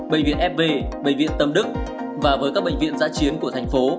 bệnh viện fb bệnh viện tâm đức và với các bệnh viện giã chiến của thành phố